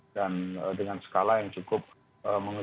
dan dengan skala yang cukup tinggi